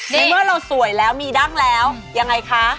ในเมื่อเราสวยแล้วมีดั้งแล้วยังไงคะ